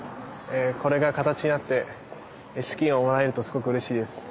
これが形になって資金をもらえるとすごくうれしいです。